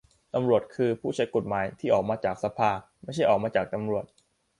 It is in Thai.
ตำรวจ คือ ผู้ใช้กฎหมาย ที่ออกมาจากสภา ไม่ใช่ออกมาจากตำรวจ